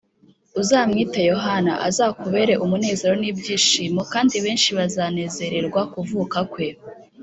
uzamwite Yohana. Azakubera umunezero n’ibyishimo, kandi benshi bazanezererwa kuvuka kwe